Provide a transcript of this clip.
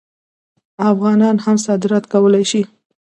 افغانان هم صادرات کولی شي.